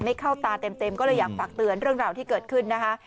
ไม่เข้าตาเต็มก็เลยอยากฝากเตือนเรื่องราวที่เกิดขึ้นนะคะ